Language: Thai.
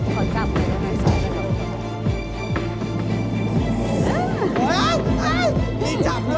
ยังไง